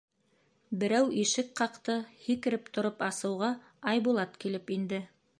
Берәү ишек ҡаҡты, һикереп тороп асыуға, Айбулат килеп инде.